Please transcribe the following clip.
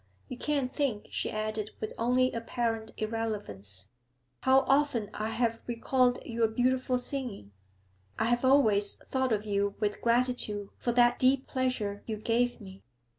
You can't think,' she added, with only apparent irrelevance, 'how often I have recalled your beautiful singing; I have always thought of you with gratitude for that deep pleasure you gave me.'